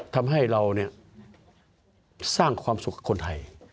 ทำให้เราสร้างความสุขกับคนไทย